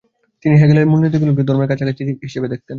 তিনি হেগেলের মূলনীতিগুলিকে ধর্মের কাছাকাছি কিছু হিসেবে দেখতেন।